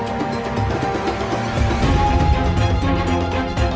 ก็ไม่รู้ว่าเกิดอะไรขึ้นข้างหลัง